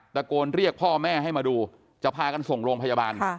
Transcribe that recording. ตะโกนเรียกพ่อแม่ให้มาดูจะพากันส่งโรงพยาบาล